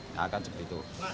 nah akan seperti itu